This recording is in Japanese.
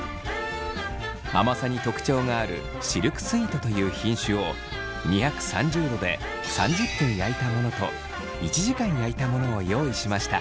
甘さに特徴があるシルクスイートという品種を２３０度で３０分焼いたものと１時間焼いたものを用意しました。